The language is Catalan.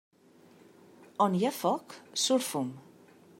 On hi ha foc, surt fum.